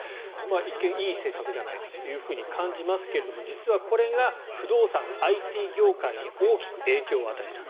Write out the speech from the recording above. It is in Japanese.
一見、いい施策じゃないかと感じますが実はこれが不動産、ＩＴ業界に大きく影響を与えた。